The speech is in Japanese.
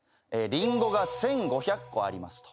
リンゴが１，５００個ありますと。